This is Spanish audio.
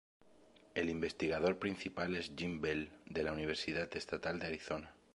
El investigador principal es Jim Bell de la Universidad Estatal de Arizona.